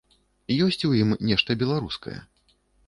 Ёсць у ім нешта беларускае?